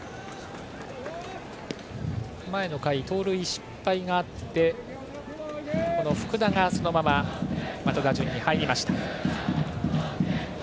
前の回、盗塁失敗があって福田が、そのまままた打順に入りました。